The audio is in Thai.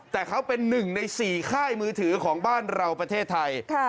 แต่เขาเป็น๑ใน๔ค่ายมือถือของบ้านเราประเทศไทย